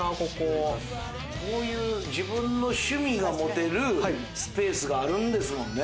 こういう自分の趣味が持てるスペースがあるんですもんね。